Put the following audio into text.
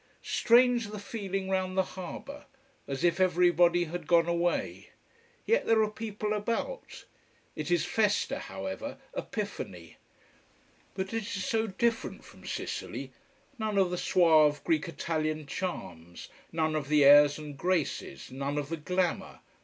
Strange the feeling round the harbour: as if everybody had gone away. Yet there are people about. It is "festa" however, Epiphany. But it is so different from Sicily: none of the suave Greek Italian charms, none of the airs and graces, none of the glamour.